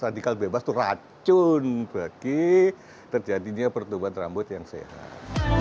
radikal bebas itu racun bagi terjadinya pertumbuhan rambut yang sehat